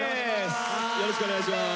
よろしくお願いします。